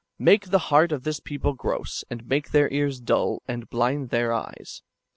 Make the heart of this people gross, and make their ears dull, and blind their eyes.